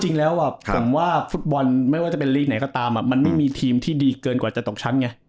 จริงแล้วผมว่าฟุตบอลไม่ว่าจะเป็นลีกไหนก็ตามมันไม่มีทีมที่ดีเกินกว่าจะตกชั้นไง